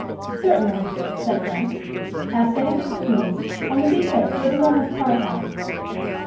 "Certainly," said Frank. "Ask anything you please; only be quick, for it is almost car time."